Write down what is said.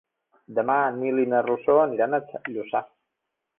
Demà en Nil i na Rosó aniran a Lluçà.